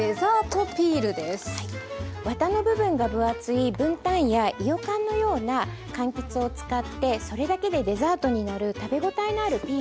ワタの部分が分厚い文旦やいよかんのようなかんきつを使ってそれだけでデザートになる食べごたえのあるピールです。